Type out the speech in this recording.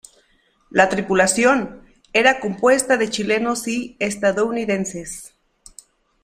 La tripulación era compuesta de chilenos y estadounidenses.